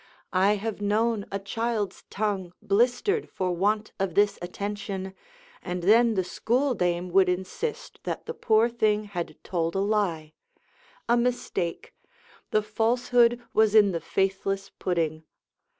I have known a child's tongue blistered for want of this attention, and then the school dame would insist that the poor thing had told a lie. A mistake: the falsehood was in the faithless pudding.